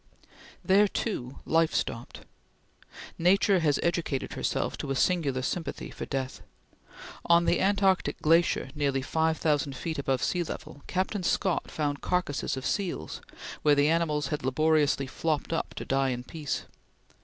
There, too, life stopped. Nature has educated herself to a singular sympathy for death. On the antarctic glacier, nearly five thousand feet above sea level, Captain Scott found carcasses of seals, where the animals had laboriously flopped up, to die in peace.